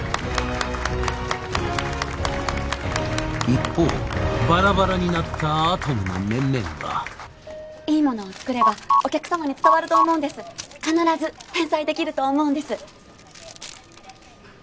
一方バラバラになったアトムの面々はいいものを作ればお客様に伝わると思うんです必ず返済できると思うんです